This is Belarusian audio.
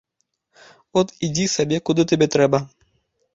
От, ідзі сабе, куды табе трэба.